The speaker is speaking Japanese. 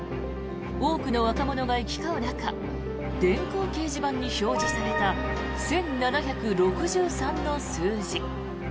多くの若者が行き交う中電光掲示板に表示された１７６３の数字。